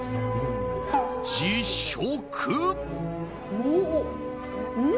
実食！